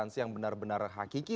instansi yang benar benar hakiki